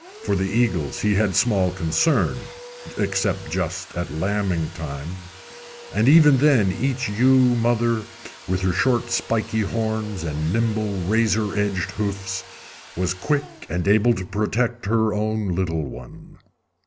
For the eagles he had small concern, except just at lambing time, and even then each ewe mother, with her short, spiky horns and nimble, razor edged hoofs, was quick and able to protect her own little one.